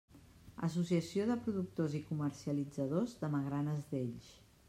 Associació de Productors i Comercialitzadors de Magranes d'Elx.